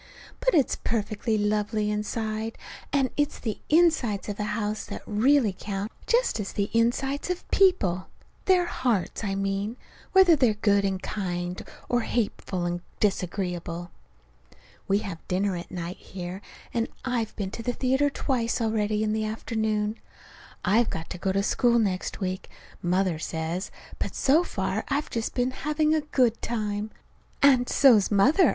But it's perfectly lovely inside; and it's the insides of houses that really count just as it is the insides of people their hearts, I mean; whether they're good and kind, or hateful and disagreeable. We have dinner at night here, and I've been to the theater twice already in the afternoon. I've got to go to school next week, Mother says, but so far I've just been having a good time. And so's Mother.